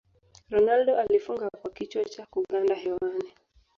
ronaldo alifunga kwa kichwa cha kuganda hewani